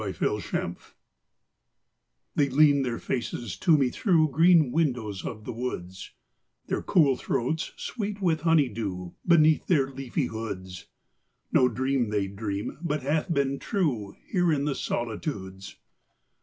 SECOND SIGHT They lean their faces to me through Green windows of the woods; Their cool throats sweet with honey dew Beneath their leafy hoods No dream they dream but hath been true Here in the solitudes.